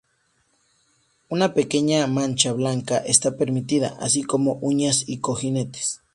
Una pequeña mancha blanca está permitida, así como uñas y cojinetes.